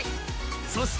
そして